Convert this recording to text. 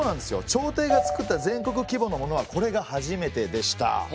朝廷がつくった全国規模のものはこれが初めてでした。